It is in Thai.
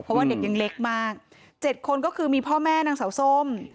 เพราะว่าเด็กยังเล็กมาก๗คนก็คือมีพ่อแม่นางสาวส้ม